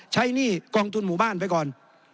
หนี้กองทุนหมู่บ้านไปก่อน